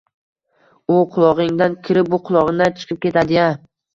U qulog'ingdan kirib, bu qulog'ingdan chiqib ketadi-ya!